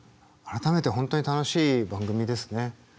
改めて本当に楽しい番組ですね。